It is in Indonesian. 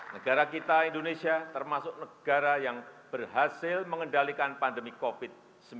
negara kita indonesia termasuk negara yang berhasil mengendalikan pandemi covid sembilan belas